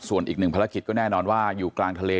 ส่วนอีกหนึ่งภารกิจก็แน่นอนว่าอยู่กลางทะเล